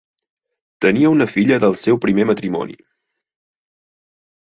Tenia una filla del seu primer matrimoni.